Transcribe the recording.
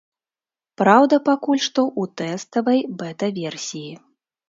Праўда, пакуль што ў тэставай бэта-версіі.